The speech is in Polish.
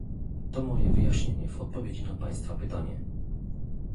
To moje wyjaśnienie w odpowiedzi na państwa pytanie